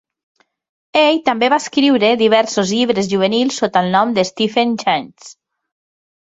Ell també va escriure diversos llibres juvenils sota el nom Stephen Chance.